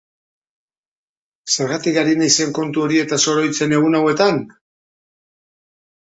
Zergatik ari naizen kontu horietaz oroitzen egun hauetan?